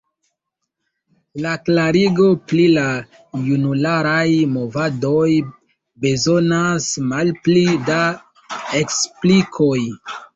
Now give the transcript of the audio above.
La klarigo pri la junularaj movadoj bezonas malpli da eksplikoj.